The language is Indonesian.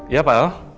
iya pak al